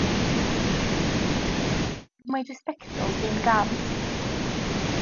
Mae dy sbectol di'n gam.